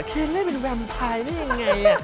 เค้เล่นเป็นแวมพายเล่นยังไง